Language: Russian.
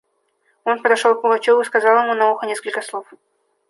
Он подошел к Пугачеву и сказал ему на ухо несколько слов.